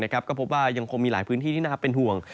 ก็พบว่ายังคงมีหลายพื้นที่ที่น่าเป็นห่วง